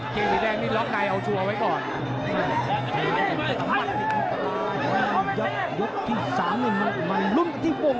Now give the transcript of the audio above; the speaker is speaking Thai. เกงสีแดงนี่ล็อกในเอาชัวร์ไว้ก่อน